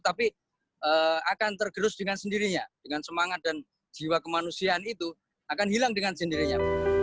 tapi akan tergerus dengan sendirinya dengan semangat dan jiwa kemanusiaan itu akan hilang dengan sendirinya